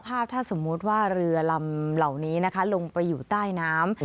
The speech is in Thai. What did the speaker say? ถ้าสมมุติว่าเรือลำเหล่านี้นะคะลงไปอยู่ใต้น้ำ